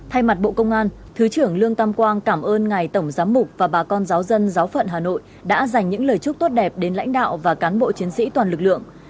thay mặt bộ công an thứ trưởng lương tam quang cảm ơn ngài tổng giám mục và bà con giáo dân giáo phận hà nội đã dành những lời chúc tốt đẹp đến lãnh đạo và cán bộ chiến sĩ toàn lực lượng